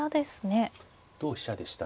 同飛車でしたね。